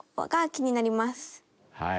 はい。